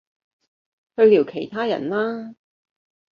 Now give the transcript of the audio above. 去聊其他人啦